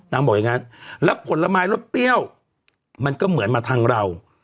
บอกอย่างนั้นแล้วผลไม้รสเปรี้ยวมันก็เหมือนมาทางเรา